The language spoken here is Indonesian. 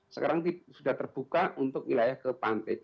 sekarang sudah terbuka untuk wilayah ke pantai